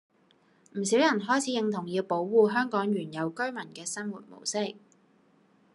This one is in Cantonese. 唔少人開始認同要保護香港原有居民嘅生活模式